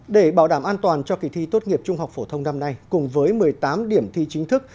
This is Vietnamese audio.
để bảo đảm an toàn cho kỳ thi tốt nghiệp trung học phổ thông năm nay cùng với một mươi tám điểm thi chính thức